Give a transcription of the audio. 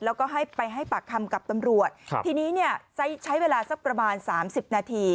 แล้วก็ไปให้ปากคำกับตำรวจทีนี้ใช้เวลาสักประมาณ๓๐นาที